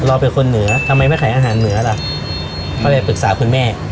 เราเป็นคนเหนือทำไมไม่ขายอาหารเหนือล่ะก็เลยปรึกษาคุณแม่